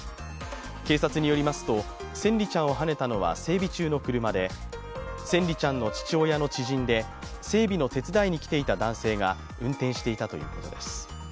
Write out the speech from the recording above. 警察によりますと、千椋ちゃんをはねたのは整備中の車で千椋ちゃんの父親の知人で整備の手伝いに来ていた男性が運転していたということです。